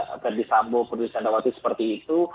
agar di sambo perlu disandawati seperti itu